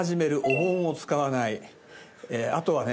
あとはね